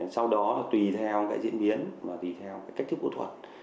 sau đó tùy theo cái diễn biến và tùy theo cái cách thức phẫu thuật